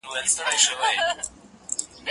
زه کولای سم واښه راوړم!.